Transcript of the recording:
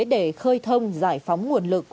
để khơi thông giải phóng nguồn lực